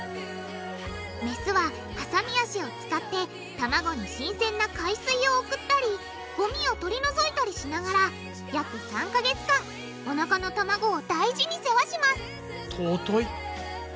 メスははさみ脚を使って卵に新鮮な海水を送ったりゴミを取り除いたりしながら約３か月間おなかの卵を大事に世話します尊い。